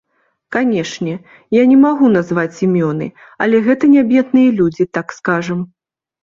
Канечне, я не магу назваць імёны, але гэта нябедныя людзі, так скажам.